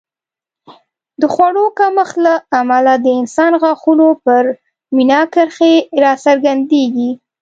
د خوړو کمښت له امله د انسان غاښونو پر مینا کرښې راڅرګندېږي